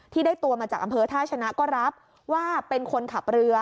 ได้ตัวมาจากอำเภอท่าชนะก็รับว่าเป็นคนขับเรือ